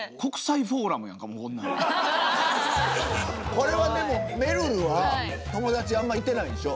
これはでもめるるは友達あんまいてないんでしょ？